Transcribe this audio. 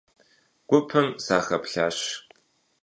Гупым сахэплъащ.